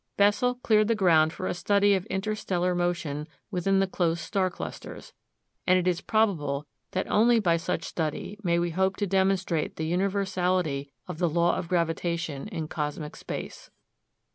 Bessel cleared the ground for a study of inter stellar motion within the close star clusters; and it is probable that only by such study may we hope to demonstrate the universality of the law of gravitation in cosmic space.